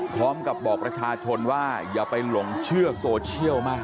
พร้อมกับบอกประชาชนว่าอย่าไปหลงเชื่อโซเชียลมาก